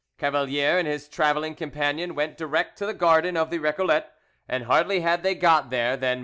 Cavalier and his travelling companion went direct to the garden of the Recollets, and hardly had they got there than MM.